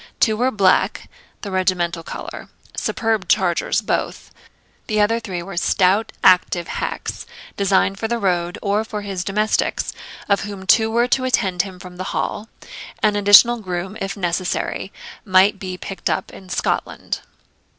Two were black (the regimental colour), superb chargers both; the other three were stout active hacks, designed for the road, or for his domestics, of whom two were to attend him from the Hall; an additional groom, if necessary, might be picked up in Scotland.